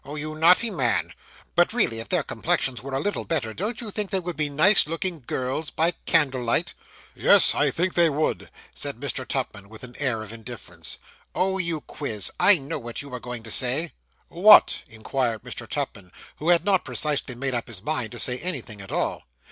'Oh, you naughty man but really, if their complexions were a little better, don't you think they would be nice looking girls by candlelight?' 'Yes; I think they would,' said Mr. Tupman, with an air of indifference. 'Oh, you quiz I know what you were going to say.' 'What?' inquired Mr. Tupman, who had not precisely made up his mind to say anything at all.